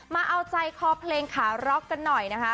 มาเอาใจคอเพลงขาร็อกกันหน่อยนะคะ